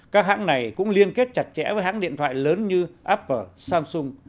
các hãng này cũng liên kết chặt chẽ với hãng điện thoại lớn như apple samsung